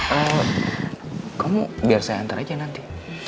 ehm kamu biar saya hantar aja nanti